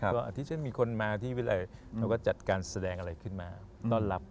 ก็ที่ฉันมีคนมาที่วิรัยเขาก็จัดการแสดงอะไรขึ้นมาต้อนรับ